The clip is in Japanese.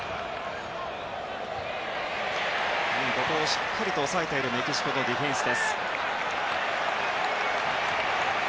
しっかりと抑えているメキシコのディフェンス。